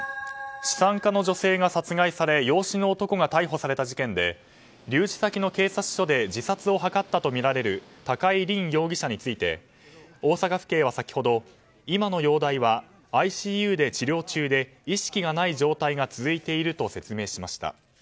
資産家の女性が殺害され養子の男が逮捕された事件で留置先の警察署で自殺を図ったとみられる高井凜容疑者について大阪府警は先ほど、今の容体はＩＣＵで治療中で意識がない状態が続いていると説明しました。